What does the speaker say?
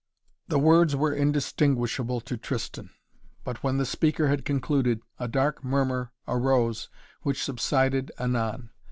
The words were indistinguishable to Tristan but, when the speaker had concluded, a dark murmur arose which subsided anon.